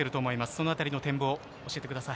その辺りの展望、教えてください。